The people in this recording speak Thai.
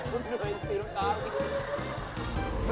เหนื่อยเพราะตีน้องตา